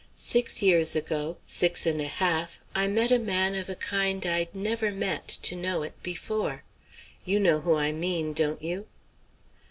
Six years ago six and a half I met a man of a kind I'd never met, to know it, before. You know who' I mean, don't you?"